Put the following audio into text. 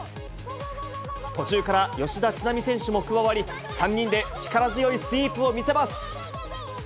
途中から吉田知那美選手も加わり、３人で力強いスイープを見せます。